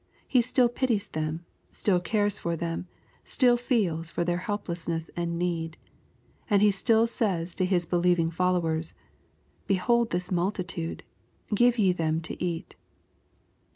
He still pities them, still cares for them, still feels for their helplessness and need. And He still says to His believing followers, " Behold this multitude, give ye them to eat."